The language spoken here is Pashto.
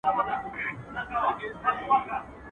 چي زلزله وه ټنديي دي رانه کړه، اوس ئې خپلي مورته ورکړه.